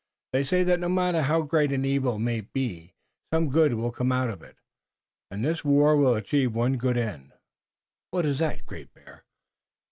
They say that no matter how great an evil may be some good will come out of it, and this war will achieve one good end." "What is that, Great Bear?"